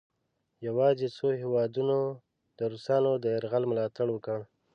یواځې څو هیوادونو د روسانو د یرغل ملا تړ وکړ.